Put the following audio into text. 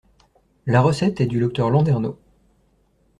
La recette est du docteur Landernau.